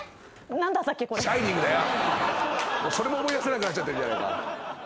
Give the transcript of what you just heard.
それも思い出せなくなっちゃってるじゃないか。